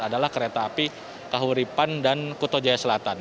adalah kereta api kahuripan dan kuto jaya selatan